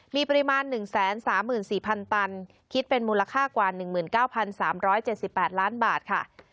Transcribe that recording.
มีปริมาณ๑๓๔๐๐ตันคิดเป็นมูลค่ากว่า๑๙๓๗๘ล้านบาทค่ะ